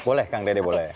boleh kang dede boleh